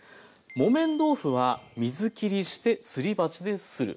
「木綿豆腐は水きりしてすり鉢でする」